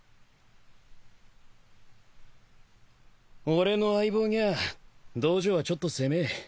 俺の相棒にゃ道場はちょっと狭え。